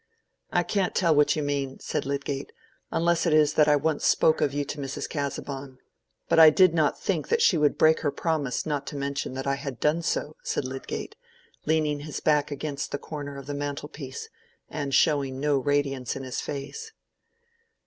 "I can't tell what you mean," said Lydgate, "unless it is that I once spoke of you to Mrs. Casaubon. But I did not think that she would break her promise not to mention that I had done so," said Lydgate, leaning his back against the corner of the mantel piece, and showing no radiance in his face.